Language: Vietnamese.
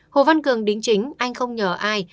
hồ văn cường đính chính anh không nhờ ai